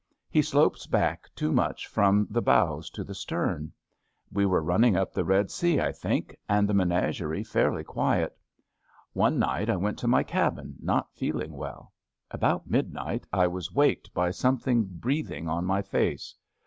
He slopes back too much from the bows to the stern. We were running up the Red Sea, I think, and the menagerie fairly quiet. One night I went to my cabin not feeling well. About midnight I was waked by something breath ing on my face.